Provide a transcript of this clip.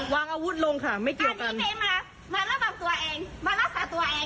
วางอาวุธลงค่ะไม่เกี่ยวกัน